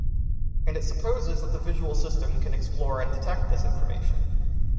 And it supposes that the visual system can explore and detect this information.